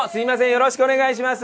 よろしくお願いします。